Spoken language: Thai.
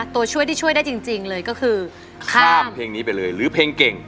ตัวช่วยที่ช่วยได้จริงเลยก็คือข้ามเพลงนี้ไปเลยหรือเพลงเก่ง